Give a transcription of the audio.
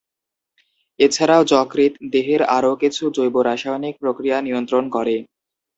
এছাড়াও যকৃৎ দেহের আরও কিছু জৈব-রাসায়নিক প্রক্রিয়া নিয়ন্ত্রণ করে।